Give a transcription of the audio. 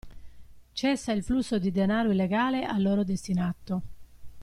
Cessa il flusso di denaro illegale a loro destinato.